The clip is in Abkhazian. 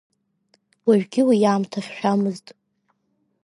Уажәгьы уи аамҭа хьшәамызт.